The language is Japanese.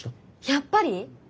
やっぱり。